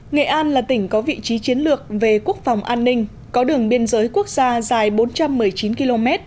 nghệ an là tỉnh có vị trí chiến lược về quốc phòng an ninh có đường biên giới quốc gia dài bốn trăm một mươi chín km